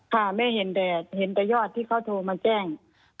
ค่ะแม่เห็นแต่ยอดที่เขาโทรมาแจ้ง